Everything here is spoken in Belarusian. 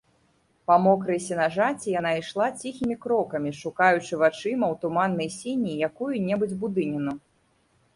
Па мокрай сенажаці яна ішла ціхімі крокамі, шукаючы вачыма ў туманнай сіні якую-небудзь будыніну.